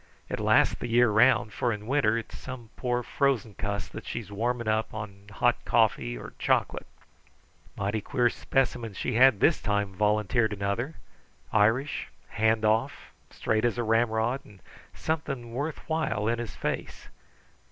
It lasts the year round, for in winter it's some poor, frozen cuss that she's warming up on hot coffee or chocolate." "Mighty queer specimen she had this time," volunteered another. "Irish, hand off, straight as a ramrod, and something worth while in his face.